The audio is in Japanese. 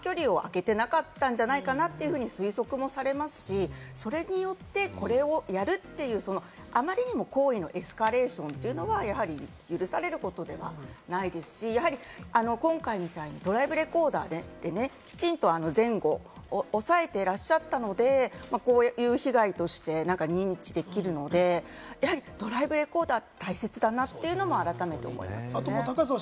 もともと多分、車間距離をあけてなかったんじゃないかなっていうふうに推測もされますし、それによってこれをやるっていう、あまりにも行為のエスカレーションっていうのはやはり許されることではないですし、今回みたいにドライブレコーダーでね、きちんと前後をおさえていらっしゃったのでこういう被害として、認知できるので、やっぱりドライブレコーダーって大切だなっていうのも改めて思いますね。